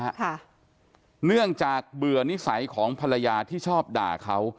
ค่ะเนื่องจากเบื่อนิสัยของภรรยาที่ชอบด่าเขา